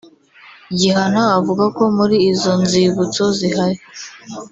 Gihana avuga ko muri izo nzibutso zihari